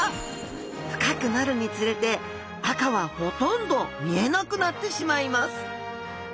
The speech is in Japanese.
深くなるにつれて赤はほとんど見えなくなってしまいます。